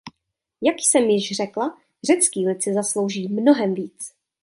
Jak jsem již řekla, řecký lid si zaslouží mnohem víc.